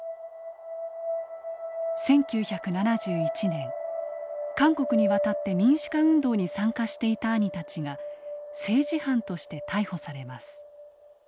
１９７１年韓国に渡って民主化運動に参加していた兄たちが政治犯として逮捕されます。